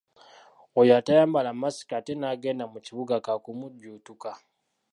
Oyo atayambala masiki ate n’agenda mu kibuga kaakumujjuutuka.